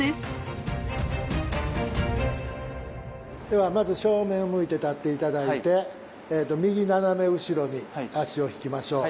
ではまず正面を向いて立って頂いて右斜め後ろに足を引きましょう。